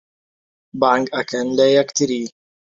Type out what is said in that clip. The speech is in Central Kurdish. بانگ ئەکەن لە یەکتری